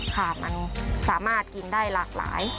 ค่ะมันสามารถกินได้หลากหลาย